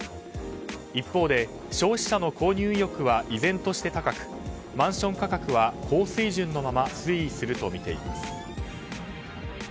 一方で消費者の購入意欲は依然として高くマンション価格は高水準のまま推移すると見ています。